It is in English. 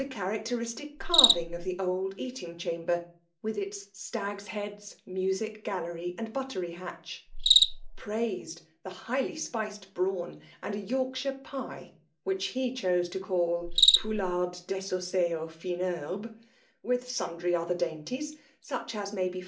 cba^ racteristic carving of the old eating Ghsm" ber, with its stag's heads, music gallery, ami buttery hatch; praised the highly<>spiced brawn, and a Yorkshire pie, which he chose tp call poularde d^sossee aux fines kerbes, with sundry othpr dainties, such as may be